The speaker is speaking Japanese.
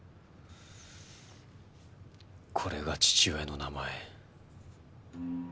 これが父親の名前。